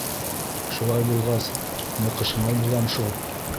Шулай булғас, ныҡышмал булам шул.